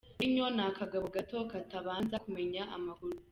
Mourinho ni akagabo gato katabanza kumenya amakuru.